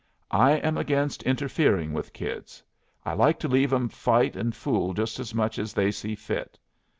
"I am against interfering with kids. I like to leave 'em fight and fool just as much as they see fit.